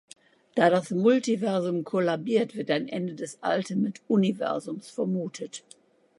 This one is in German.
Da das Multiversum kollabiert, wird ein Ende des Ultimate Universums vermutet.